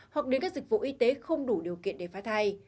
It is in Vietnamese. hoặc đến các dịch vụ y tế không đủ điều kiện để phá thai